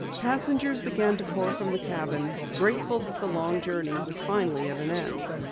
Passengers began to pour from the cabin, grateful that the long journey was finally at an end.